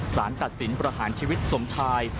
สารตัดสินประหารชีวิตสมชาย